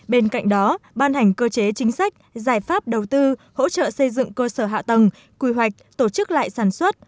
bên cạnh đó ban hành cơ chế chính sách giải pháp đầu tư hỗ trợ xây dựng cơ sở hạ tầng quy hoạch tổ chức lại sản xuất